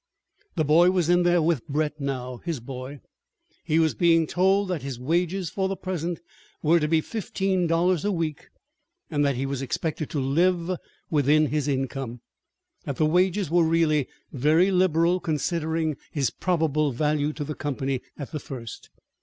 The boy was in there with Brett now his boy. He was being told that his wages for the present were to be fifteen dollars a week, and that he was expected to live within his income that the wages were really very liberal, considering his probable value to the company at the first.